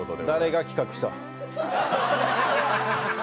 誰が企画した？